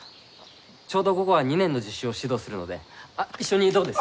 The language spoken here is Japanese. ちょうど午後は２年の実習を指導するのであ一緒にどうです？